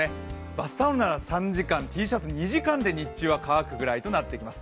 バスタオルなら３時間Ｔシャツ２時間で日中は乾くぐらいとなってきます。